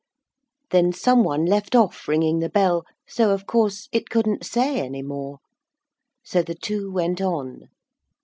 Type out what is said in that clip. Then some one left off ringing the bell, so of course it couldn't say any more. So the two went on.